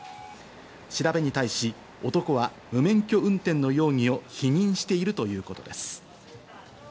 調べに対し男は無免許運転の容疑を否認しているということです。